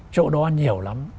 chỗ đó nhiều lắm